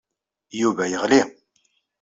Yuba yelɣi.